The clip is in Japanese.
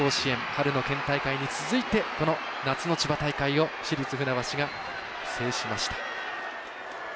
春の大会に続いて夏の千葉大会を市立船橋が制しました。